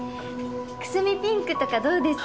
くすみピンクとかどうです？